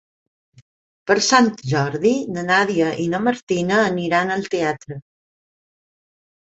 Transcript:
Per Sant Jordi na Nàdia i na Martina aniran al teatre.